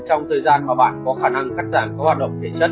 trong thời gian mà bạn có khả năng cắt giảm các hoạt động thể chất